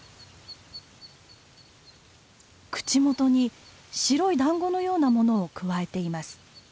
口元に白い団子のようなものをくわえています。